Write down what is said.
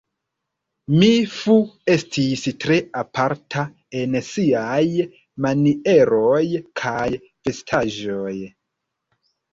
Mi Fu estis tre aparta en siaj manieroj kaj vestaĵoj.